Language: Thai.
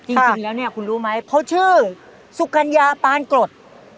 จริงแล้วเนี่ยคุณรู้ไหมเขาชื่อสุกัญญาปานกรด